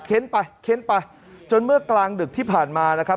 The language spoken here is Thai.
เค้นไปเค้นไปจนเมื่อกลางดึกที่ผ่านมานะครับ